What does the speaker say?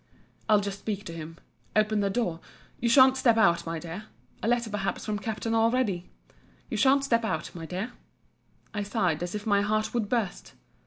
I'll just speak to him. Open the door—You sha'n't step out, my dear—A letter perhaps from Captain already!—You sha'n't step out, my dear. I sighed as if my heart would burst.